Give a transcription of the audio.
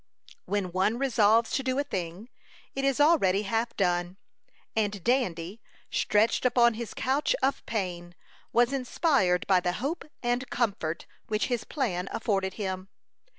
When one resolves to do a thing, it is already half done; and Dandy, stretched upon his couch of pain, was inspired by the hope and comfort which his plan afforded him.